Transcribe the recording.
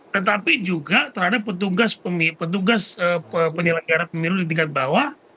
tetapi juga terhadap petugas penyelenggara pemilu di tingkat bawah